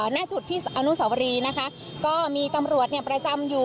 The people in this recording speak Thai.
หน้าจุดที่อนุสวรีนะคะก็มีตำรวจเนี่ยประจำอยู่